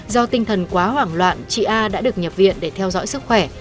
do tinh thần quá hoảng loạn chị a đã được nhập viện để theo dõi sức khỏe